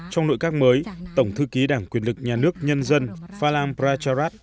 trong nội các mới tổng thư ký đảng quyền lực nhà nước nhân dân phalam pracharat